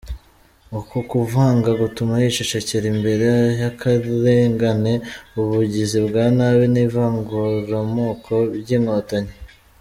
Uku kuvanga gutuma yicecekera imbere y’akarengane, ubugizi bwa nabi n’ivanguramoko by’Inkotanyi.